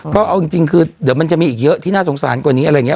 เค้าเอาจริงมันจะมีอีกเยอะที่น่าสงสารกว่านี้อะไรอย่างนี้